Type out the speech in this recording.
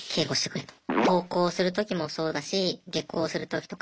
登校する時もそうだし下校する時とか。